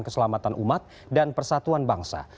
keselamatan umat dan persatuan bangsa